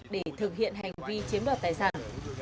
để thực hiện hành vi chiếm đoạt tài sản